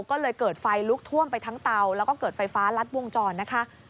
ก็เลยเกิดไฟลุกท่วมไปทั้งเตาแล้วก็เกิดไฟฟ้ารัดวงจรนะคะ